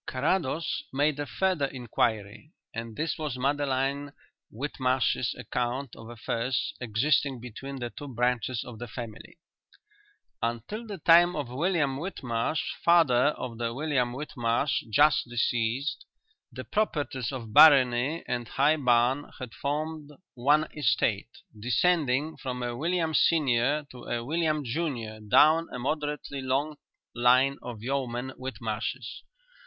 Carrados made a further inquiry, and this was Madeline Whitmarsh's account of affairs existing between the two branches of the family: Until the time of William Whitmarsh, father of the William Whitmarsh just deceased, the properties of Barony and High Barn had formed one estate, descending from a William senior to a William junior down a moderately long line of yeomen Whitmarshes.